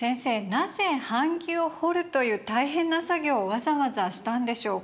なぜ版木を彫るという大変な作業をわざわざしたんでしょうか。